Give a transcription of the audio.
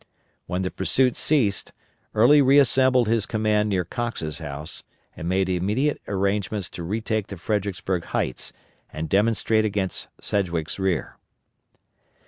When the pursuit ceased, Early reassembled his command near Cox's house and made immediate arrangements to retake the Fredericksburg heights, and demonstrate against Sedgwick's rear.